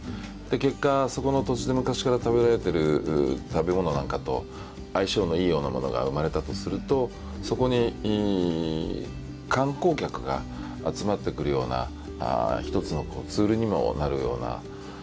結果そこの土地で昔から食べられてる食べ物なんかと相性のいいようなものが生まれたとするとそこに観光客が集まってくるような一つのツールにもなるようなことにもなりえますでしょ。